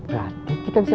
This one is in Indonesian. berarti kita bisa